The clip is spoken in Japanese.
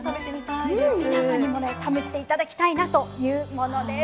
うん皆さんにもね試していただきたいなというものです。